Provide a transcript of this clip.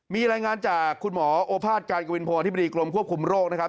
มีรายงานจากคุณหมอโอภาษการกวินโพอธิบดีกรมควบคุมโรคนะครับ